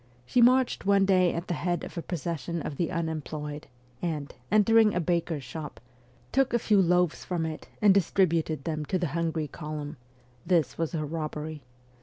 She marched one day at the head of a pro cession of the unemployed, and, entering a baker's shop, took a few loaves from it and distributed them to the hungry column : this was her robbery.